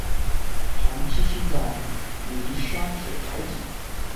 常栖息在泥沙质海底。